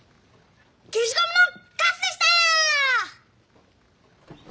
けしゴムのかすでした！